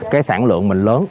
cái sản lượng mình lớn